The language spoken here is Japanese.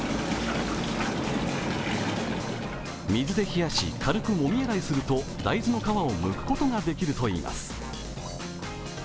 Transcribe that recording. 水で冷やし、軽くもみ洗いすると大豆の皮をむくことができるといいます。